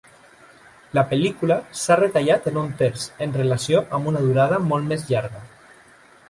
La pel·lícula s"ha retallat en un terç, en relació amb una durada molt més llarga.